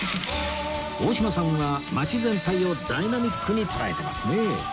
大島さんは街全体をダイナミックに捉えてますね